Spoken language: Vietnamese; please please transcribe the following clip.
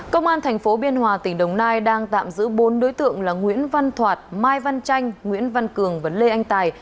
công an thành phố biên hòa tỉnh đồng nai đang tạm giữ bốn đối tượng là nguyễn văn thoạt mai văn tranh nguyễn văn cường và lê anh tài